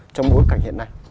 trong bối cảnh hiện nay